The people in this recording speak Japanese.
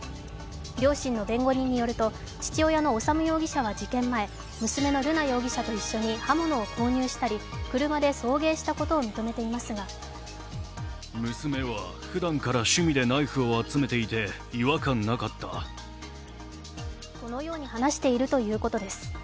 両親の弁護人によると、父親の修容疑者は事件前、娘の瑠奈容疑者と一緒に刃物を購入したり車で送迎したことを認めていますがこのように話しているということです